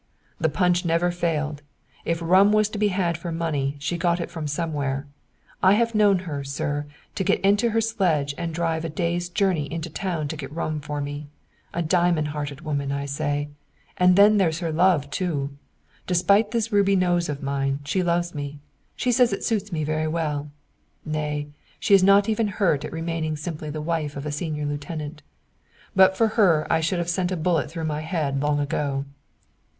"The punch never failed. If rum was to be had for money, she got it from somewhere. I have known her, sir, get into her sledge and drive a day's journey into town to get rum for me. A diamond hearted woman, I say! And then her love, too! Despite this ruby nose of mine, she loves me. She says it suits me very well. Nay, she is not even hurt at remaining simply the wife of a senior lieutenant. But for her I should have sent a bullet through my head long ago."